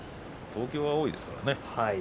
東京は多いですからね。